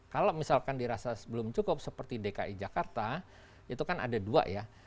kalau misalkan dirasa belum cukup seperti dki jakarta itu kan ada dua ya